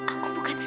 aku bukan sita